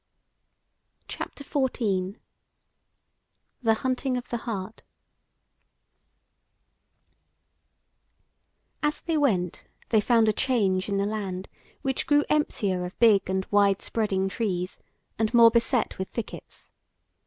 CHAPTER XIV: THE HUNTING OF THE HART As they went, they found a change in the land, which grew emptier of big and wide spreading trees, and more beset with thickets.